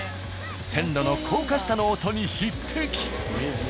線路の高架下の音に匹敵。